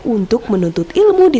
untuk menuntut ilmu disiplin